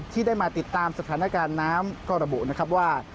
ที่ได้มาติดตามสถานการณ์น้ำก็ระบุนะครับว่า